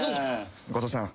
後藤さん